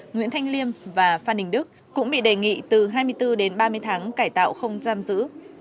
nguyễn thanh liêm và phan đình đức cũng bị đề nghị từ hai mươi bốn đến ba mươi tháng cải tạo không giam giữ